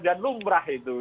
dan lumrah itu